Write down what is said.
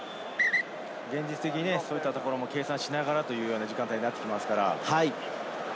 現実的にそういったところも計算しながらというような時間帯になってきますから。